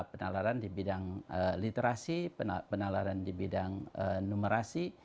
penalaran di bidang literasi penalaran di bidang numerasi